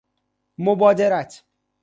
مبادرت